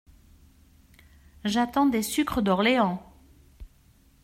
J’attends des sucres d’Orléans !…